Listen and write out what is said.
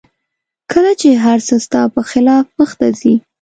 کله چې هر څه ستا په خلاف مخته ځي